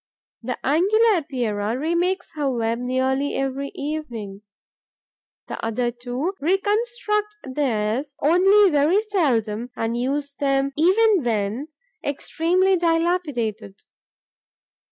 The Angular Epeira remakes her web nearly every evening; the other two reconstruct theirs only very seldom and use them even when extremely dilapidated.